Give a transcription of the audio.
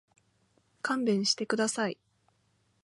勘弁してください。